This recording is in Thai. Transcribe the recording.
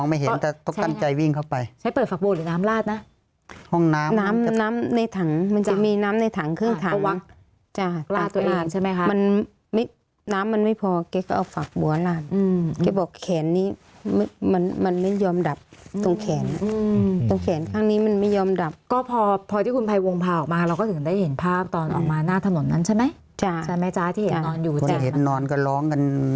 จะต้องกันใจวิ่งเข้าไปใช้เปิดฝักบัวหรือน้ำลาดนะห้องน้ำน้ำน้ำในถังมันจะมีน้ำในถังเครื่องถังจะลาดตัวเองใช่ไหมคะมันน้ำมันไม่พอแกก็เอาฝักบัวลาดอืมแกบอกแขนนี้มันมันไม่ยอมดับตรงแขนอืมตรงแขนข้างนี้มันไม่ยอมดับก็พอพอที่คุณภายวงพาออกมาเราก็ถึงได้เห็นภาพตอนออกมาหน้าถนน